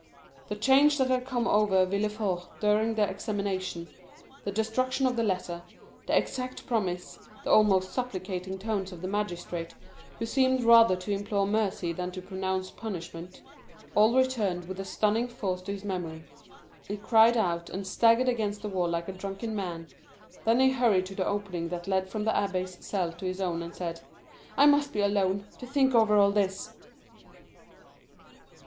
The change that had come over Villefort during the examination, the destruction of the letter, the exacted promise, the almost supplicating tones of the magistrate, who seemed rather to implore mercy than to pronounce punishment,—all returned with a stunning force to his memory. He cried out, and staggered against the wall like a drunken man, then he hurried to the opening that led from the abbé's cell to his own, and said, "I must be alone, to think over all this."